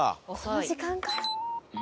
この時間から。